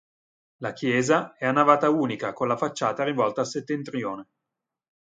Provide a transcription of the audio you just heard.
La chiesa è a navata unica con la facciata rivolta a settentrione.